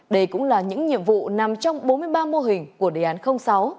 đây cũng là những nhiệm vụ nằm trong bốn mươi ba mô hình của đề án sáu